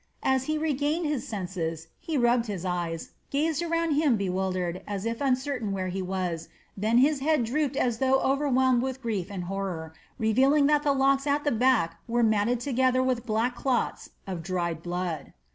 As he regained his senses, he rubbed his eyes, gazed around him bewildered, as if uncertain where he was, then his head drooped as though overwhelmed with grief and horror, revealing that the locks at the back were matted together with black clots of dried blood.